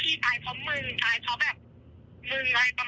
พี่อ้อม